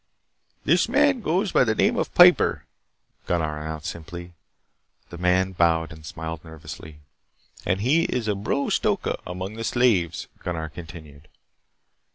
"This man goes by the name of Piper," Gunnar announced simply. The man bowed and smiled nervously. "And he is a Bro Stoka among the slaves," Gunnar continued.